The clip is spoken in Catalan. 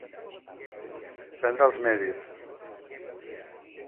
Prendre els medis.